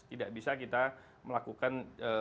tidak bisa kita melakukan